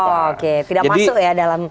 tidak masuk ya dalam tiga kanal itu